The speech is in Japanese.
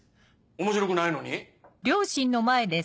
面白くないのに？